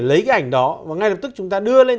lấy cái ảnh đó và ngay lập tức chúng ta đưa lên